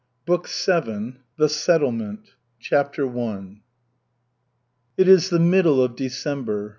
BOOK VII THE SETTLEMENT CHAPTER I It is the middle of December.